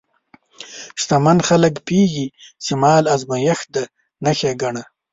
شتمن خلک پوهېږي چې مال ازمېښت دی، نه ښېګڼه.